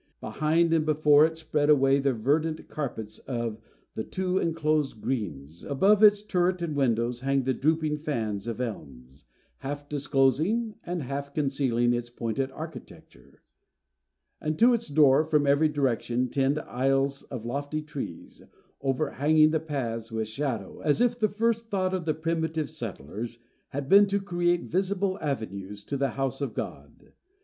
Behind and before it, spread away the verdant carpets of the two enclosed "greens;" above its turret and windows hang the drooping fans of elms, half disclosing and half concealing its pointed architecture; and to its door, from every direction, tend aisles of lofty trees, overhanging the paths with shadow, as if the first thought of the primitive settlers had been to create visible avenues to the house of God.